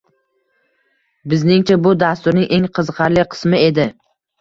Bizningcha, bu dasturning eng qiziqarli qismi edi